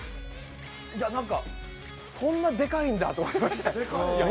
こんなでかいんだと思いました。